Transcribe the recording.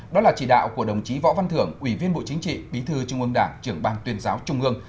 đó là chỉ đạo của đồng chí võ văn thưởng ủy viên bộ chính trị bí thư trung ương đảng trưởng ban tuyên giáo trung ương